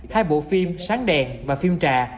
hai bộ phim sáng đèn và phim trà